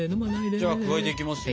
じゃあ加えていきますよ。